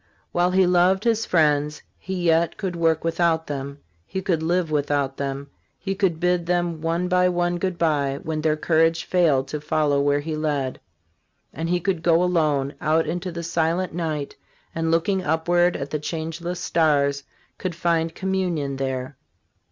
While he loved his friends, he yet could work without them, he could live without them, he could bid them one by one good bye, when their courage failed to follow where he led ; and he could go alone, out into the silent night, and, looking upward at the changeless stars, could find communion there.